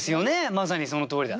まさにそのとおりだ。